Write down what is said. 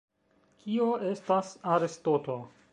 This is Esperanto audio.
Kio estas arestoto?